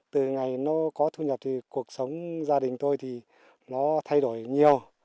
từ ngày nó có thu nhập thì cuộc sống gia đình tôi thì nó thay đổi nhiều